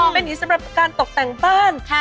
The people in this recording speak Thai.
อ๋อเป็นหินสำหรับการตกแต่งบ้านค่ะ